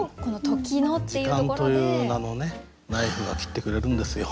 「時間」という名のねナイフが切ってくれるんですよ。